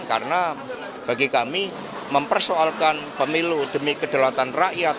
karena bagi kami mempersoalkan pemilu demi kedalatan rakyat